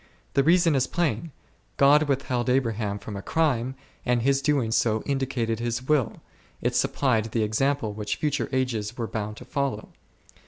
The reason is plain ; God withheld Abraham from a crime, and f Gen. xxii. 12. O c o His doing so indicated His Will, it supplied the ex ample which future ages were bound to follow.